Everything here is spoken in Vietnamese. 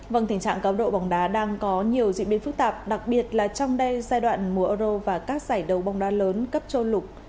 vâng tình trạng cáo độ bóng đá đang có nhiều diễn biến phức tạp đặc biệt là trong đây giai đoạn mùa euro và các giải đấu bóng đá lớn cấp châu lục